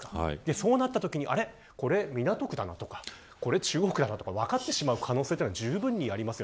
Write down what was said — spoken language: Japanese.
そうなったときにあれ、これ港区だなとかこれ、中央区だなと分かってしまう可能性はじゅうぶんにあります。